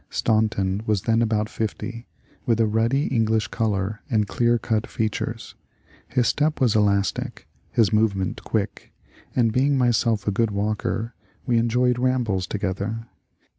Staunton was then about fifty, with a ruddy English colour and clear cut features. His step was elastic, his movement quick, and, being myself a good walker, we enjoyed rambles together.